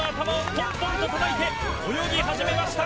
ポンポンとたたいて泳ぎ始めました。